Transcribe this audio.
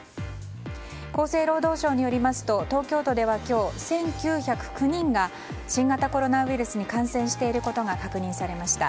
厚生労働省によりますと東京都では今日１９０９人が新型コロナウイルスに感染していることが確認されました。